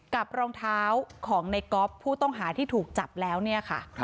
รองเท้าของในก๊อฟผู้ต้องหาที่ถูกจับแล้วเนี่ยค่ะ